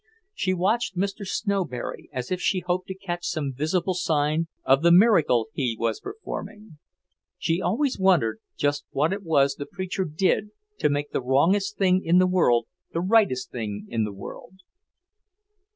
She watched Mr. Snowberry as if she hoped to catch some visible sign of the miracle he was performing. She always wondered just what it was the preacher did to make the wrongest thing in the world the rightest thing in the world.